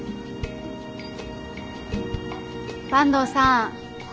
坂東さん。